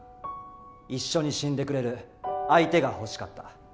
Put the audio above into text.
一緒に死んでくれる相手が欲しかった？